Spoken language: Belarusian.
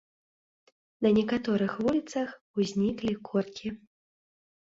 На некаторых вуліцах узніклі коркі.